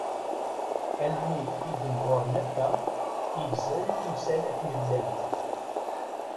Almi i d-mɣuren akka i gzan timsal akken llant.